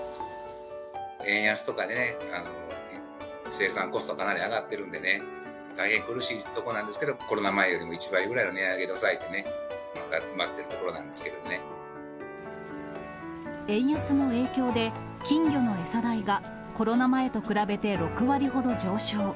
円安とかね、生産コスト、かなり上がってるんでね、いいかげん大変苦しいところなんですけど、コロナ前より１割ぐらいの値上げで抑えてね、頑張ってるところな円安の影響で、金魚の餌代がコロナ前と比べて６割ほど上昇。